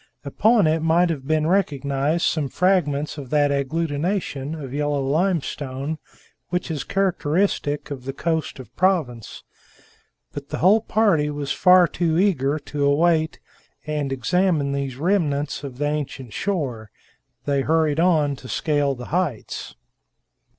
Upon it might have been recognized some fragments of that agglutination of yellow limestone which is characteristic of the coast of Provence. But the whole party was far too eager to wait and examine these remnants of the ancient shore; they hurried on to scale the heights.